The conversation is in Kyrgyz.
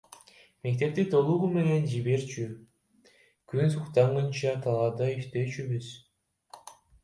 Мектепти толугу менен жиберчү, күн сууктаганча талаада иштечүбүз.